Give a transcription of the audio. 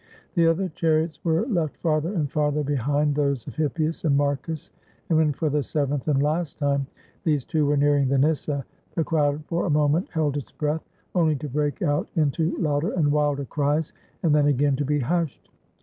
The other chariots were left farther and farther behind those of Hippias and Marcus, and when, for the seventh and last time, these two were nearing the nyssa, the crowd for a moment held its breath, only to break out into louder and wilder cries, and then again to be hushed.